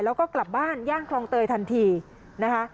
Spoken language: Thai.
แล้วก็กลับบ้านย่านคลองเตยทันทีนะคะ